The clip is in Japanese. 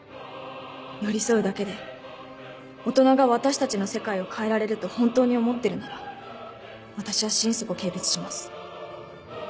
寄り添うだけで大人が私たちの世界を変えられると本当に思ってるなら私は心底軽蔑します